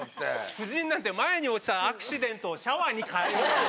夫人なんて前に落ちたアクシデントをシャワーに変えるっていう。